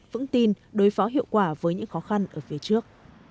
vững tin đối phó hiệu quả với những khó khăn ở phía trước